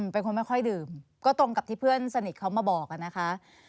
เป็นคนไม่ค่อยดื่มก็ตรงกับที่เพื่อนสนิทเขามาบอกนะคะ